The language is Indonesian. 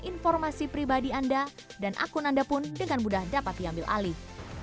informasi pribadi anda dan akun anda pun dengan mudah dapat diambil alih